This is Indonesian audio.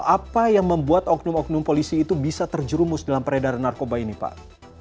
apa yang membuat oknum oknum polisi itu bisa terjerumus dalam peredaran narkoba ini pak